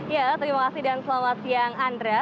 ya terima kasih dan selamat siang andra